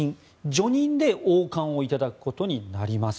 叙任で王冠をいただくことになります。